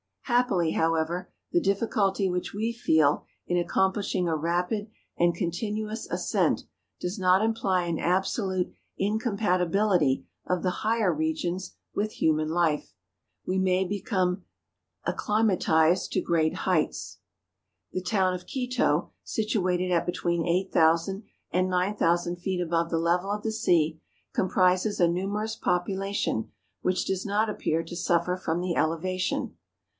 Happily, however, the difficulty which we feel in accomplishing a rapid and continuous ascent does not imply an absolute incompatibility of the higher regions with human life. We may become accli¬ matised to great heights. ... The town of 320 MOUNTAIN ADVENTUKES. Quito, situated at between 8000 and 9000 feet above the level of the sea, comprises a numerous popula¬ tion which does not appear to suffer from the ele¬ vation.